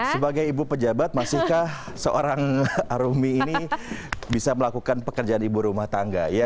sebagai ibu pejabat masihkah seorang arumi ini bisa melakukan pekerjaan ibu rumah tangga